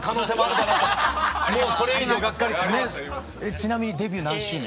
ちなみにデビュー何周年？